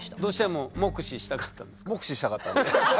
目視したかったんで。